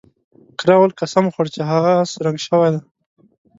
کراول قسم وخوړ چې هغه اس رنګ شوی دی.